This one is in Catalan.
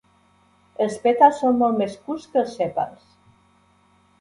Els pètals són molt més curts que els sèpals.